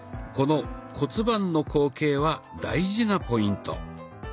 この骨盤の後傾は大事なポイント。